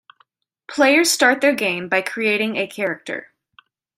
Players start their game by creating a character.